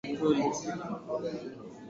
That is pretty cool.